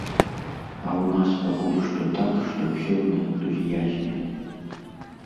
А ў нас пакуль што так, што ўсё на энтузіязме.